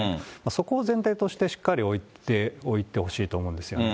そこを前提としてしっかり置いておいてほしいと思うんですよね。